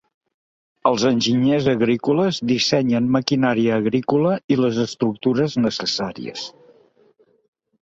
Els enginyers agrícoles dissenyen maquinària agrícola i les estructures necessàries.